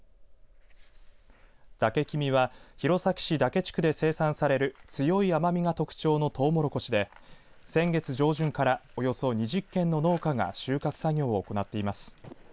嶽きみは弘前市嶽地区で生産される強い甘みが特徴のとうもろこしで先月上旬からおよそ２０軒の農家が収穫作業を行っています。